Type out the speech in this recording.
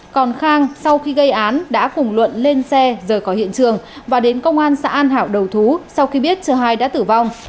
còn khang sau khi gây án đã cùng luận lên xe rời khỏi hiện trường và đến công an xã an hảo đầu thú sau khi biết chơi hai đã tử vong